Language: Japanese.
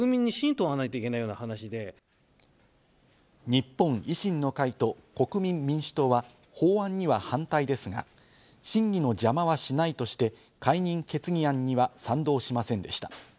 日本維新の会と国民民主党は法案には反対ですが、審議の邪魔はしないとして解任決議案には賛同しませんでした。